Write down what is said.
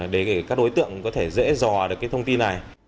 để các đối tượng có thể dễ dò được cái thông tin này